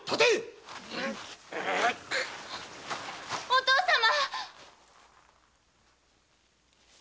お父様。